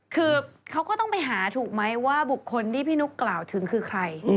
คือเขาก็ต้องไปหาถูกไหมว่าบุคคลที่พี่นุ๊กกล่าวถึงคือใคร